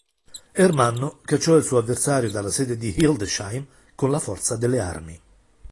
Ermanno cacciò il suo avversario dalla sede di Hildesheim con la forza delle armi.